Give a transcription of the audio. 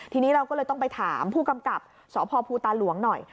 ทีนี้เราก็เลยต้องไปถามผู้กำกับสพภูตาหลวงหน่อย